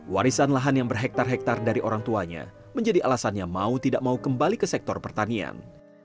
warisan lahan yang berhektar hektar dari orang tuanya menjadi alasannya mau tidak mau kembali ke sektor pertanian